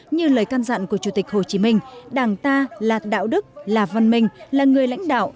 như lời can dặn của chủ tịch hồ chí minh đảng ta là đạo đức là văn minh là người lãnh đạo